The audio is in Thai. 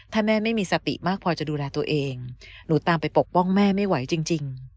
ถ้าแม่ไม่มีสติมากพอจะดูแลตัวเองหนูตามไปปกป้องแม่ไม่ไหวจริง